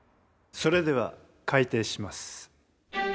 それでは開廷します。